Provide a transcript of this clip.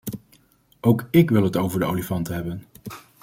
Ook ik wil het over de olifanten hebben.